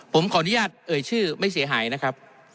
ผมขออนุญาตเอ่ยชื่อไม่เสียหายนะครับ